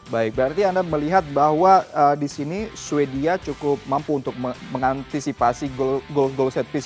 baik berarti anda melihat bahwa disini swedia cukup mampu untuk mengantisipasi goal set fist